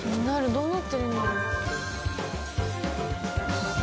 どうなってるんだろう？